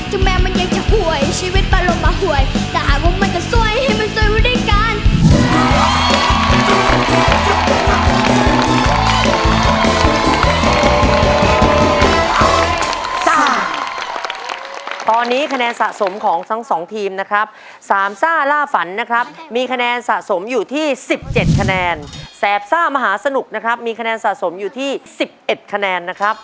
จึงแม้มันยังจะห่วยชีวิตมันลงมาห่วยแต่หากมันจะซวยให้มันซวยรู้ด้วยกัน